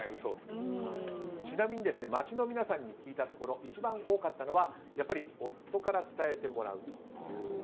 ちなみに街の皆さんに聞いたところ一番多かったのは夫から伝えてもらうという。